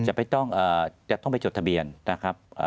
จะต้องไปจดทะเบียนนะครับ